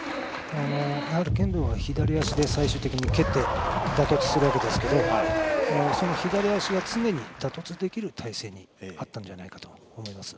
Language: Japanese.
やはり剣道は左足で最終的に蹴って打突しますが左足が常に打突できる体勢にあったんじゃないかと思います。